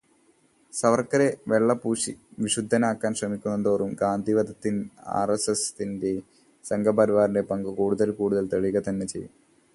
സവർക്കറെ വെള്ളപൂശി വിശുദ്ധനാക്കാൻ ശ്രമിക്കുന്തോറും ഗാന്ധിവധത്തിൽ ആർഎസ്എസിന്റെയും സംഘപരിവാരത്തിന്റെയും പങ്ക് കൂടുതൽ കൂടുതൽ തെളിയുക തന്നെ ചെയ്യും.